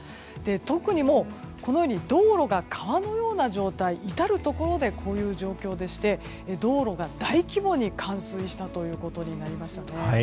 特に道路が川のような状態至るところでこういう状況でして道路が大規模に冠水したことになりましたね。